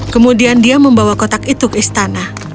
kemudian dia membawa kotak itu ke istana